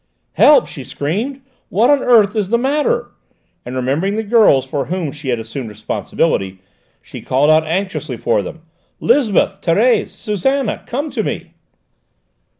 "Help!" she screamed. "What on earth is the matter?" and remembering the girls for whom she had assumed responsibility, she called out anxiously for them. "Lisbeth! Thérèse! Susannah! Come to me!"